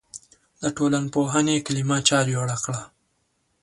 د ټولنپوهنې کلمه چا جوړه کړه؟